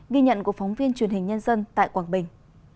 ghi nhận của phóng viên truyền hình nhân dân tại quảng bình